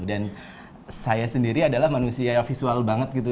dan saya sendiri adalah manusia visual banget gitu